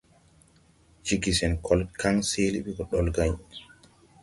Ceege sen kɔL kaŋ seele ɓi gɔ ɗolgãy.